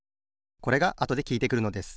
これがあとできいてくるのです。